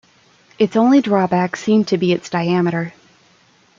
Its only drawback seemed to be its diameter.